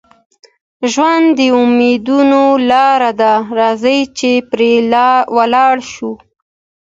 ژوند د امیدونو لاره ده، راځئ چې پرې ولاړ شو.